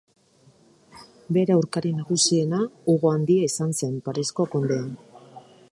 Bere aurkari nagusiena Hugo Handia izan zen, Parisko kondea.